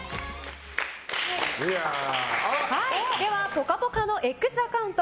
「ぽかぽか」のＸアカウント